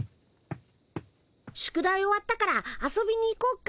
宿題終わったから遊びに行こっか。